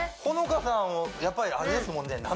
ほのかさんはやっぱりあれですもんね